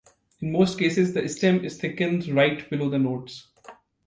In most cases the stem is thickened right below the nodes.